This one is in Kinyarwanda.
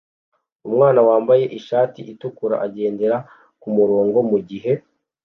Umwana wambaye ishati itukura agendera kumurongo mugihe